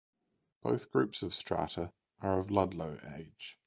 Both groups of strata are of Ludlow age.